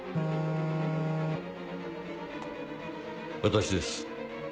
私です。